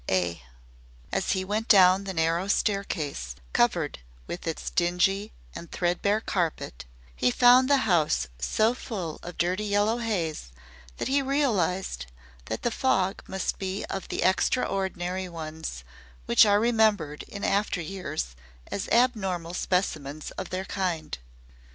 II As he went down the narrow staircase, covered with its dingy and threadbare carpet, he found the house so full of dirty yellow haze that he realized that the fog must be of the extraordinary ones which are remembered in after years as abnormal specimens of their kind.